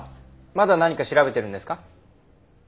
まだ何か調べてるんですか？